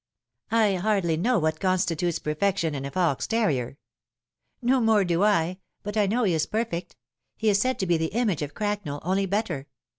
" I hardly know what constitutes perfection in a fox terrier." " No more do I ; but I know he is perfect. He is said to be the image of Cracknel, only better.